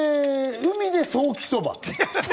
海でソーキそば。